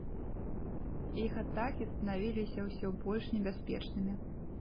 Іх атакі станавіліся ўсё больш небяспечнымі.